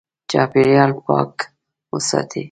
چاپېریال پاک وساتې.